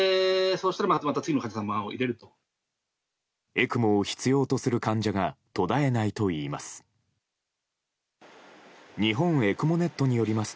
ＥＣＭＯを必要とする患者が途絶えないといいます。